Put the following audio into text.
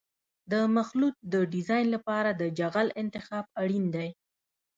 د مخلوط د ډیزاین لپاره د جغل انتخاب اړین دی